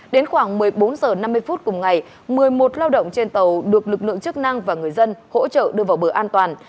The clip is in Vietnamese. đến khoảng một mươi bốn h năm mươi phút cùng ngày một mươi một lao động trên tàu được lực lượng chức năng và người dân hỗ trợ đưa vào bờ an toàn